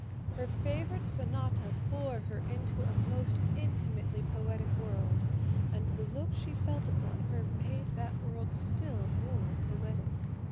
Her favorite sonata bore her into a most intimately poetic world and the look she felt upon her made that world still more poetic.